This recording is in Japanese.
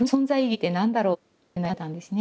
って何だろう？って悩んでたんですね。